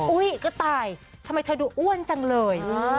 อุ๊ยกระต่ายทำไมเธอดูอ้วนจังเลย